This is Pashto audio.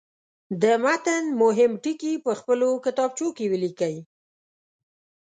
د متن مهم ټکي په خپلو کتابچو کې ولیکئ.